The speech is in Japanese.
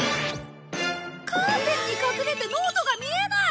カーテンに隠れてノートが見えない！